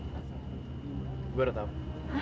gue udah tau